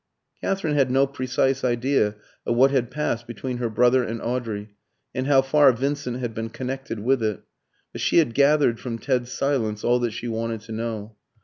Katherine had no precise idea of what had passed between her brother and Audrey, and how far Vincent had been connected with it; but she had gathered from Ted's silence all that she wanted to know.